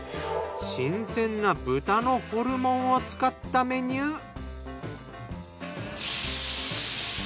新鮮な豚のホルモンを使ったメニュー。